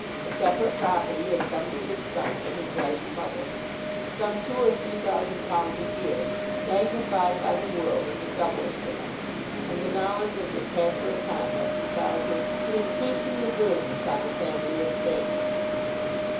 A separate property had come to his son from his wife's mother, some £2,000 or £3,000 a year, magnified by the world into double its amount, and the knowledge of this had for a time reconciled him to increasing the burdens on the family estates.